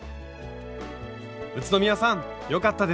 宇都宮さんよかったですね！